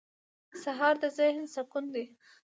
سهار د ذهن سکون دی.